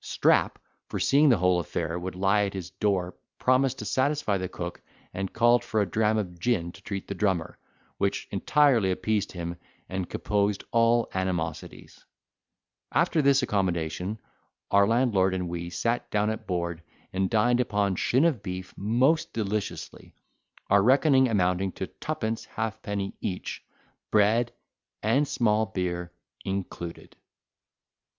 Strap, foreseeing the whole affair would lie at his door, promised to satisfy the cook, and called for a dram of gin to treat the drummer, which entirely appeased him, and composed all animosities. After this accommodation, our landlord and we sat down at a board, and dined upon shin of beef most deliciously; our reckoning amounting to twopence halfpenny each, bread and small beer included.